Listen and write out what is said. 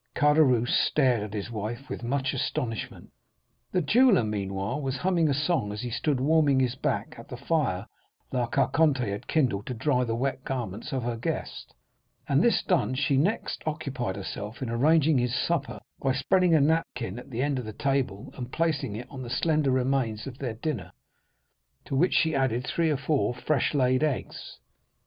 "Caderousse stared at his wife with much astonishment. "The jeweller, meanwhile, was humming a song as he stood warming his back at the fire La Carconte had kindled to dry the wet garments of her guest; and this done, she next occupied herself in arranging his supper, by spreading a napkin at the end of the table, and placing on it the slender remains of their dinner, to which she added three or four fresh laid eggs.